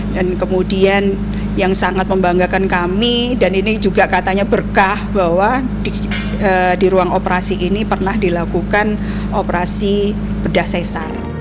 dan kemudian yang sangat membanggakan kami dan ini juga katanya berkah bahwa di ruang operasi ini pernah dilakukan operasi bedah sesar